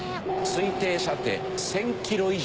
推定射程１０００キロ以上。